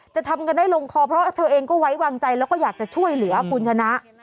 ทำกันได้ลงคอเพราะเธอเองก็ไว้วางใจแล้วก็อยากจะช่วยเหลือคุณชนะ